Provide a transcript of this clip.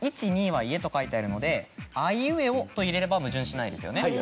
「１２は家」と書いてあるので「あいうえお」と入れれば矛盾しないですよね。